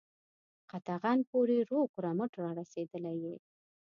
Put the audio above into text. قطغن پوري روغ رمټ را رسېدلی یې.